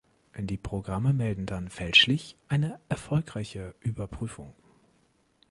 Die Programme melden dann fälschlich eine erfolgreiche Überprüfung.